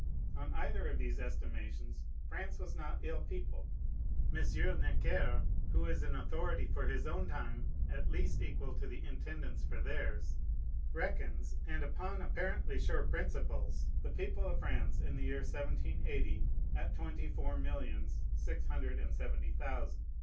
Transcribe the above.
On either of these estimations, France was not ill peopled. M. Necker, who is an authority for his own time at least equal to the Intendants for theirs, reckons, and upon apparently sure principles, the people of France, in the year 1780, at twenty four millions six hundred and seventy thousand.